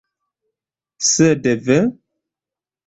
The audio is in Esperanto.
Sed ve!